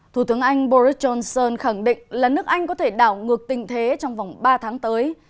thủ tướng anh boris johnson khẳng định là nước anh có thể đảo ngược tình thế trong vòng ba tháng tới